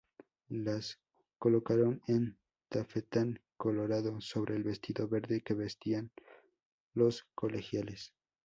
Las colocaron en tafetán colorado sobre el vestido verde que vestían los colegiales.